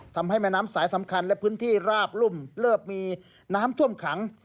ทำให้แม่น้ำสายสำคัญและพื้นที่ราบรุ่มเริ่มมีน้ำท่วมขัง